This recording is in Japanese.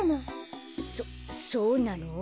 そそうなの？